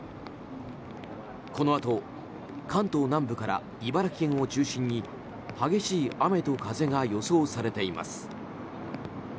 このあと関東南部から茨城県を中心に激しい雨と風が予想されています。